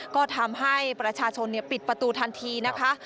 ก็ทำให้ประชาชนปิดประตูทันทีนะคะ